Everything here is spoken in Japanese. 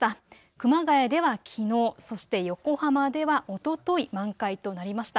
熊谷ではきのう、そして横浜ではおととい満開となりました。